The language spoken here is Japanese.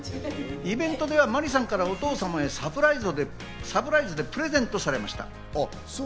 イベントでは麻里さんからお父様へサプライズでプレゼントされました。